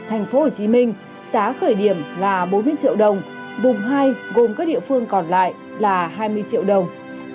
tp hcm giá khởi điểm là bốn mươi triệu đồng vùng hai gồm các địa phương còn lại là hai mươi triệu đồng